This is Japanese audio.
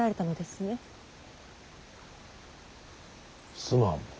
すまん。